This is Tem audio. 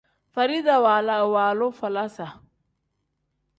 Farida waala iwaalu falaasa.